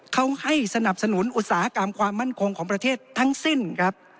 เขาให้สนับสนุนอุตสาหกรรมความมั่นคงของประเทศทั้งสิ้นครับ